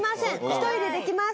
１人でできます。